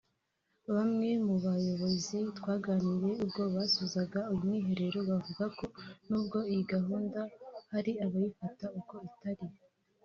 Bamwe mu bayobozi twaganiriye ubwo basozaga uyu mwiherero bavuze ko nubwo iyi gahunda hari abayifata uko itari